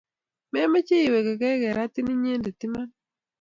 memeche iwe ke keratin inyete iman?